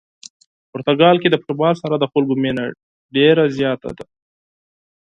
پرتګال کې د فوتبال سره د خلکو مینه ډېره زیاته ده.